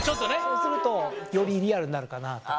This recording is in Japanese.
そうするとよりリアルになるかなあと。